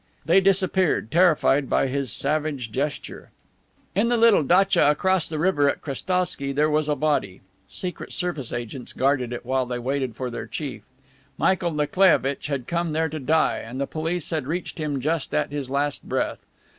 They disappeared, terrified by his savage gesture. In the little datcha across the river at Krestowsky there was a body. Secret Service agents guarded it while they waited for their chief. Michael Nikolaievitch had come there to die, and the police had reached him just at his last breath.